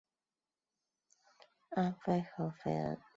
安徽合肥人。